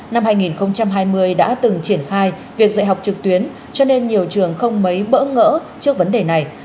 năm hai nghìn hai mươi đã từng triển khai việc dạy học trực tuyến cho nên nhiều trường không mấy bỡ ngỡ trước vấn đề này